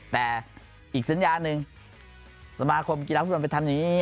แต่อีกสัญญาหนึ่งสมาคมกีฬาฟุตบอลไปทำอย่างนี้